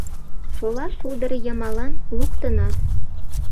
Шола шулдыр йымалан луктынат, -